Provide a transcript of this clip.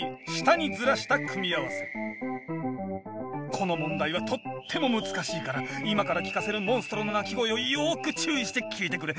この問題はとっても難しいから今から聞かせるモンストロの鳴き声をよく注意して聞いてくれ。